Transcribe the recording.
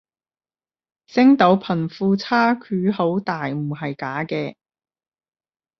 星島貧富差距好大唔係假嘅